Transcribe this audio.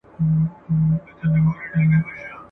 له دې شاړو وچو مځکو بیا غاټول را زرغونیږي ..